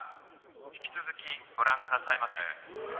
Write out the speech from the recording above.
引き続きご覧くださいませ。